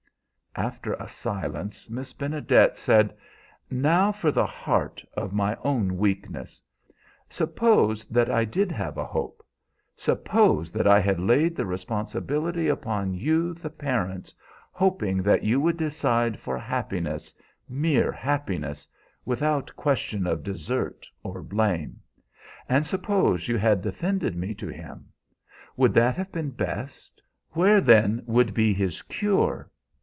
After a silence Miss Benedet said, "Now for the heart of my own weakness. Suppose that I did have a hope. Suppose that I had laid the responsibility upon you, the parents, hoping that you would decide for happiness, mere happiness, without question of desert or blame. And suppose you had defended me to him. Would that have been best? Where then would be his cure?